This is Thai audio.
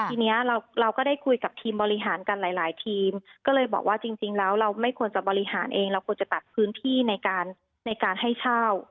ทีนี้เราก็ได้คุยกับทีมบริหารกันหลายทีมก็เลยบอกว่าจริงแล้วเราไม่ควรจะบริหารเองเราควรจะตัดพื้นที่ในการในการให้เช่า